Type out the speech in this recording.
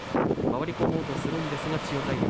回り込んでいこうとするんですが千代大龍